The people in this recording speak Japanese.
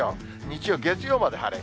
日曜、月曜まで晴れ。